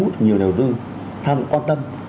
cũng nhiều đầu tư tham quan tâm